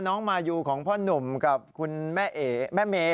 น้องมายูของพ่อหนุ่มกับคุณแม่เอ๋แม่เม